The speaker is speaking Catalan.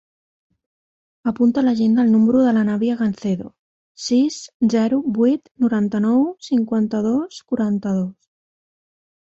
Apunta a l'agenda el número de l'Anabia Gancedo: sis, zero, vuit, noranta-nou, cinquanta-dos, quaranta-dos.